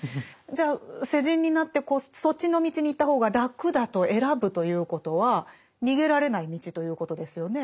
じゃあ世人になってこうそっちの道に行った方が楽だと選ぶということは逃げられない道ということですよね？